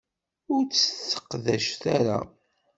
Ur tt-tesseqdac ara.